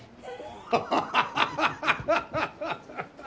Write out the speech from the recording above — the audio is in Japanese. ハハハハハハハ！